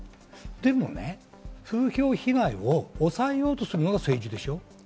でもね、風評被害を抑えようとするのが政治でしょう？